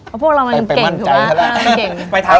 คุณผู้เรามำเก่งใช่มั้ย